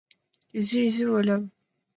Изин-изин, олян